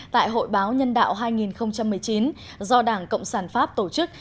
tại hội báo nhân đạo hai nghìn một mươi chín do đảng cộng sản pháp tổ chức